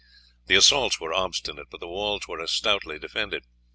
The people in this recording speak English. The assaults were obstinate, but the walls were as stoutly defended.